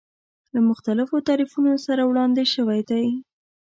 له مختلفو تعریفونو سره وړاندې شوی دی.